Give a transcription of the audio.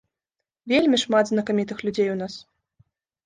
Вельмі шмат знакамітых людзей у нас.